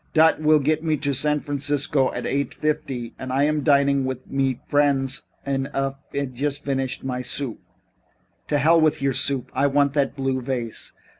Dot vill get me to San Francisco at eight fifty und I am dining mit friends und haf just finished my soup." "To hell with your soup. I want that blue vase."